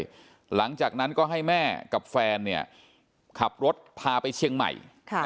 มาที่บ้านด้วยหลังจากนั้นก็ให้แม่กับแฟนเนี่ยขับรถพาไปเชียงใหม่